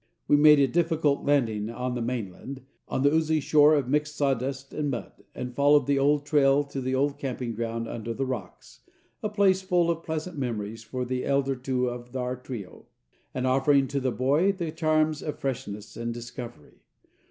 We made a difficult landing on the mainland, on the oozy shore of mixed sawdust and mud, and followed the old trail to the old camping ground under the rocks, a place full of pleasant memories for the elder two of our trio, and offering to the boy the charms of freshness and discovery.